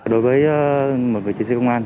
đối với một vị trí sĩ công an